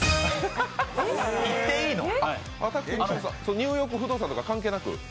「ニューヨーク不動産」とか関係なく？